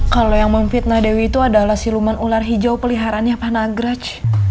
kalau yang memfitnah dewi itu adalah siluman ular hijau peliharaannya pak nagraj